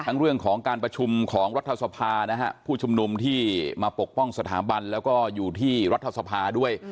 เรื่องของการประชุมของรัฐสภานะฮะผู้ชุมนุมที่มาปกป้องสถาบันแล้วก็อยู่ที่รัฐสภาด้วย